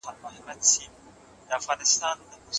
لویه جرګه کله چې له جدي ستونزو سره مخ سي چېرته ځي؟